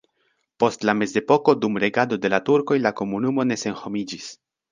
Post la mezepoko dum regado de la turkoj la komunumo ne senhomiĝis.